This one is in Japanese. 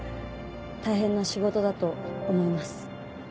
大変な仕事だと思います。